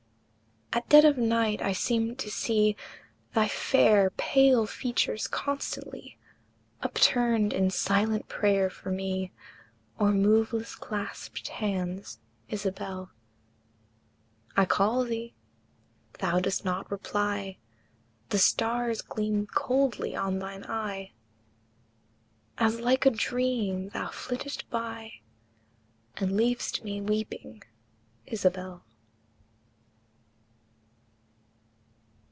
At dead of night I seem to see Thy fair, pale features constantly Upturned in silent prayer for me, O'er moveless clasped hands, Isabel! I call thee, thou dost not reply; The stars gleam coldly on thine eye, As like a dream thou flittest by, And leav'st me weeping, Isabel!